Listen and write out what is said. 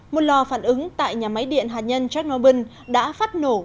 một lò phản ứng tại nhà máy điện hạt nhân chernobyl đã phát nổ